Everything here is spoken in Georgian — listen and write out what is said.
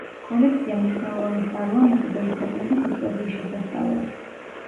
კოლექცია მნიშვნელოვანი წყაროა მეზობელი ქვეყნების ისტორიის შესასწავლად.